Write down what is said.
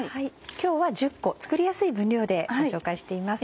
今日は１０個作りやすい分量でご紹介しています。